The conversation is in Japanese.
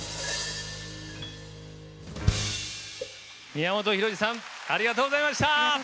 宮本浩次さんありがとうございました。